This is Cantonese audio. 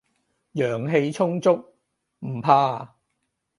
陽氣充足，唔怕